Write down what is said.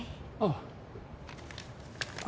ああ。